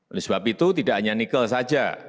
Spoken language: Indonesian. oleh sebab itu tidak hanya nikel saja